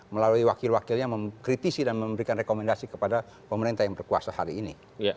melalui wakil wakil yang memkritisi dan memberikan rekomendasi kepada pemerintah yang berkuasa hari ini